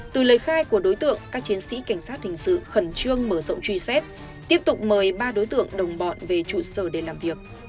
từ lời khai của đối tượng các chiến sĩ cảnh sát hình sự khẩn trương mở rộng truy xét tiếp tục mời ba đối tượng đồng bọn về trụ sở để làm việc